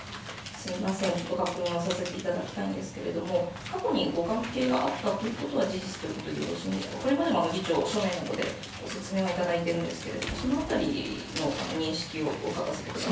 すみません、ご確認をさせていただきたいんですけれども、過去にご関係があったということは事実ということでよろしいでしょうか、議長、紙面でご説明は頂いてるんですけど、そのあたりの認識を伺わせてください。